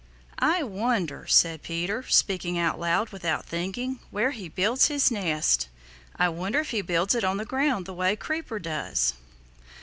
"I wonder," said Peter, speaking out loud without thinking, "where he builds his nest. I wonder if he builds it on the ground, the way Creeper does."